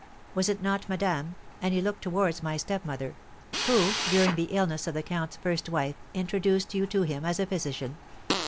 Was it not madame,' and he looked towards my stepmother, 'who, during the illness of the count's first wife, introduced you to him as a physician?'